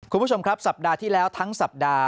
คุณผู้ชมครับสัปดาห์ที่แล้วทั้งสัปดาห์